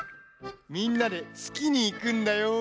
みんなでつきにいくんだよ！